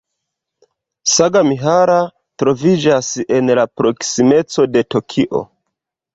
Sagamihara troviĝas en la proksimeco de Tokio.